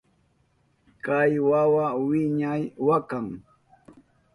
Kay wawa wiñay wakan.